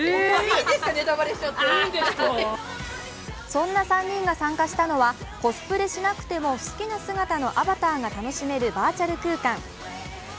そんな３人が参加したのはコスプレしなくても好きな姿のアバターが楽しめるバーチャル空間。